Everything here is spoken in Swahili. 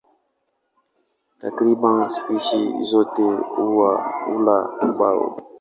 Takriban spishi zote hula ubao.